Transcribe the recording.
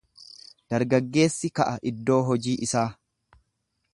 Dargaggeessi ka'a iddoo hojii isaa.